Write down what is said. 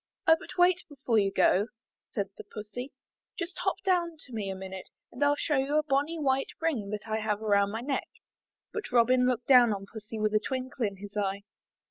''Oh, but wait before you go," said the Pussy. "Just hop down to me a minute and FU show you a bonny white ring that I have around my neck." But Robin looked down on Pussy with a twinkle in his eye.